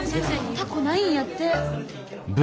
タコないんやって。